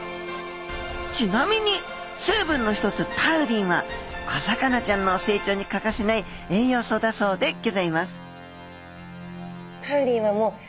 ちなみに成分の一つタウリンは小魚ちゃんの成長に欠かせない栄養素だそうでギョざいます